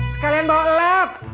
sekalian bawa lap